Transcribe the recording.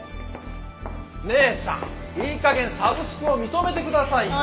姉さんいい加減サブスクを認めてくださいよ。